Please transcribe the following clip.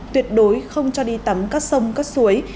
tuyệt đối không cho đi tắm các sông các suối